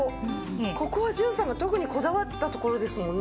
ここは純さんが特にこだわったところですもんね。